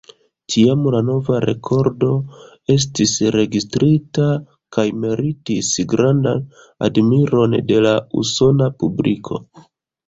Tiam la nova rekordo estis registrita kaj meritis grandan admiron de la usona publiko.